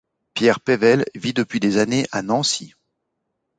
Pierre Pevel vit depuis des années à Nancy.